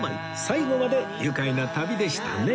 最後まで愉快な旅でしたね